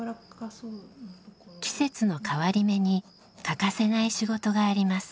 季節の変わり目に欠かせない仕事があります。